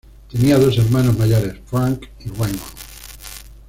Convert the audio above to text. Tenía dos hermanos mayores, Frank y Raymond.